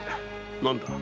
何だ？